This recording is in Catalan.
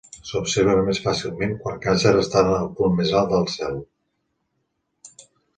S'observa més fàcilment quan Càncer està en el punt més alt del cel.